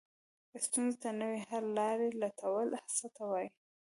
ستونزو ته نوې حل لارې لټول څه ته وایي؟